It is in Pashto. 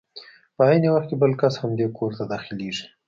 په عین وخت کې بل کس همدې کور ته داخلېږي.